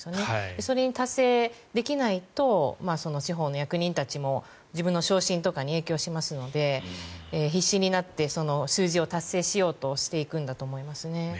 それが達成できないと地方の役人たちも自分の昇進とかに影響しますので必死になってその数字を達成しようとしていくんだと思いますね。